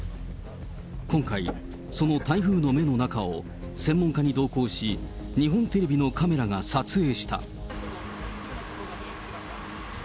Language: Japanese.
今回、その台風の目の中を、専門家に同行し、日本テレビのカメラが撮影した。